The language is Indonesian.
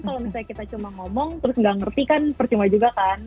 kalau misalnya kita cuma ngomong terus nggak ngerti kan percuma juga kan